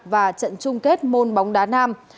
và trận chung kết môn bóng đá nam